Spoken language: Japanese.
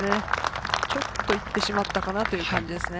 ちょっと行ってしまったかなという感じですね。